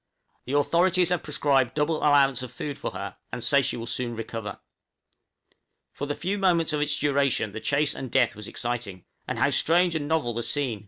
The authorities have prescribed double allowance of food for her, and say she will soon recover. {THE SUN'S LAST VISIT.} For the few moments of its duration the chase and death was exciting. And how strange and novel the scene!